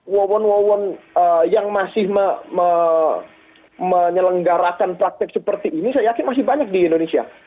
wawon wawon yang masih menyelenggarakan praktek seperti ini saya yakin masih banyak di indonesia